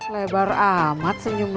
lebar amat senyum lo